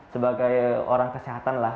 sebagai orang kesehatan lah